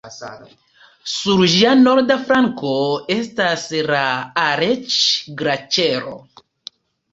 Sur ĝia norda flanko estas la Aleĉ-Glaĉero.